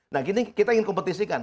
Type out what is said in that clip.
nah gini kita ingin kompetisikan